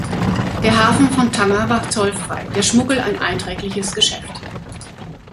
Der Hafen von Tanger war zollfrei, der Schmuggel ein einträgliches Geschäft.